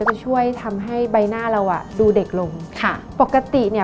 จะช่วยทำให้ใบหน้าเราอ่ะดูเด็กลงค่ะปกติเนี้ย